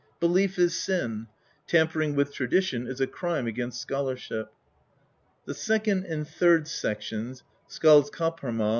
Belief is sin; tampering with tradition is a crime against scholarship." The second and third sections, Skaldskaparinal ?